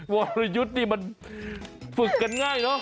วรยุทธ์นี่มันฝึกกันง่ายเนอะ